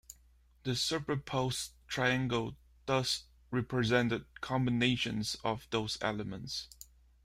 The superposed triangles thus represented combinations of those elements.